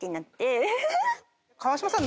川島さん。